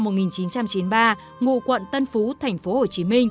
lê hoàng thanh danh sinh năm một nghìn chín trăm chín mươi ba ngụ quận tân phú tp hcm